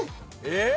えっ？